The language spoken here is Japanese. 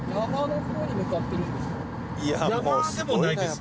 山でもないです。